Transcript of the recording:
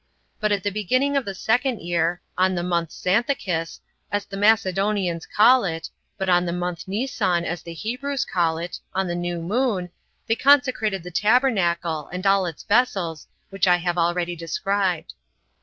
But at the beginning of the second year, on the month Xanthicus, as the Macedonians call it, but on the month Nisan, as the Hebrews call it, on the new moon, they consecrated the tabernacle, and all its vessels, which I have already described.